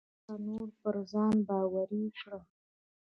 زه به نور پر ځان باوري کړم.